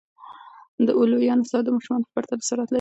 د لویانو ساعت د ماشومانو په پرتله سرعت لري.